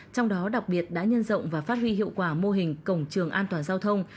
trong đó đặc biệt đã nhân rộng và phát huy hiệu quả mô hình cổng trường an toàn giao thông